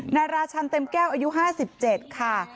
ราชันเต็มแก้วอายุ๕๗ค่ะ